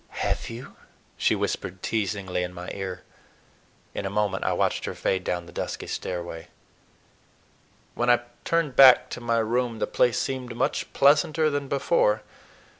"Have you?" she whispered teasingly in my ear. In a moment I watched her fade down the dusky stairway. When I turned back to my room the place seemed much pleasanter than before.